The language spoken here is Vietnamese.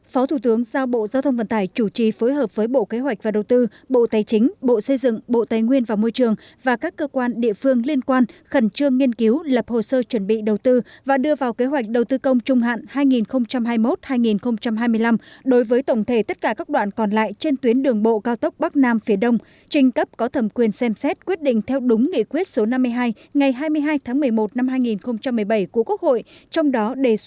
phó thủ tướng giao bộ giao thông vận tải chủ trì phối hợp với bộ kế hoạch và đầu tư bộ tài chính bộ xây dựng bộ tài nguyên và môi trường và các cơ quan địa phương liên quan khẩn trương nghiên cứu lập hồ sơ chuẩn bị đầu tư và đưa vào kế hoạch đầu tư công trung hạn hai nghìn hai mươi một hai nghìn hai mươi năm đối với tổng thể tất cả các đoạn còn lại trên tuyến đường bộ cao tốc bắc nam phía đông trình cấp có thẩm quyền xem xét quyết định theo đúng nghị quyết số năm mươi hai ngày hai mươi hai tháng một mươi một năm hai nghìn một mươi bảy của quốc hội